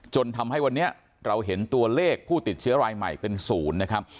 จนทำให้วันนี้เราเห็นตัวเลขผู้ติดเชื้อรายใหม่เป็นศูนย์นะครับ